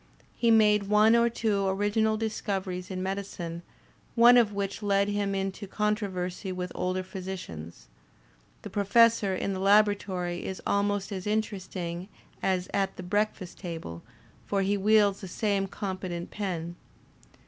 He made one or two origi nal discoveries in medicine, one of which led him into con troversy with older physicians; the Professor in the labo ratory is almost as interesting as at the breakfast table, for he wields the same competent pen.